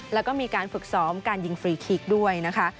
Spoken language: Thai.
แล้วก็มีการฝึกซ้อมการยิงฟรีคลิกด้วยนะคะ